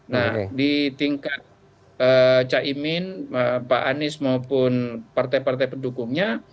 nah di tingkat caimin pak anies maupun partai partai pendukungnya